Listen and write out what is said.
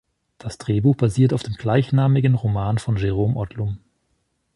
Das Drehbuch basiert auf dem gleichnamigen Roman von Jerome Odlum.